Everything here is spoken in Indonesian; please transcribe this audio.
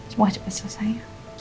semoga cepat selesai ya